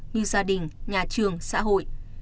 như gia đình nhà trường xã hội